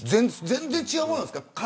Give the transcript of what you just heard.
全然違うものなんですか。